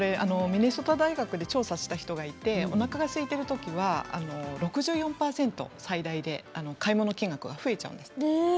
ミネソタ大学で調査した人がいておなかがすいた時は６４％最大で買い物金額が増えちゃうんですって。